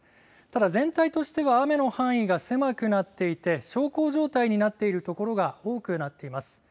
ただ、全体としては雨の範囲が狭くなっていて小康状態になっている所が多くなっています。